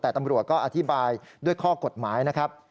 แต่ตำรวจก็อธิบายด้วยข้อกฎหมายนะครับ